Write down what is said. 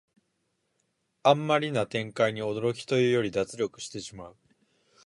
あんまりな展開に驚きというより脱力してしまう